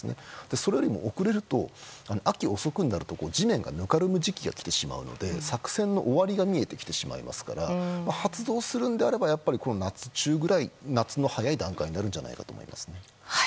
それよりも遅れると秋遅くになると地面がぬかるむ時期が来てしまうので作戦の終わりが見えてきてしまいますから発動するのであればこの夏の早い段階になるんじゃないかと思いますね。